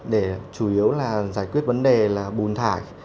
để chủ yếu là giải quyết vấn đề là bùn thải